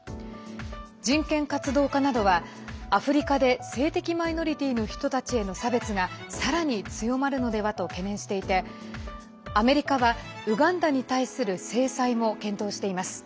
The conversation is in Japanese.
人権活動家などは、アフリカで性的マイノリティーの人たちへの差別が、さらに強まるのではと懸念していてアメリカはウガンダに対する制裁も検討しています。